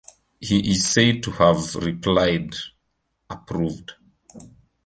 He is said to have replied Approved.